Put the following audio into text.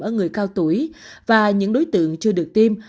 ở người cao tuổi và những đối tượng chưa được tiêm